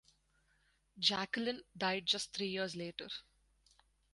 Jacqueline died just three years later.